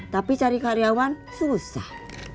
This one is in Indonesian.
tapi cari karyawan susah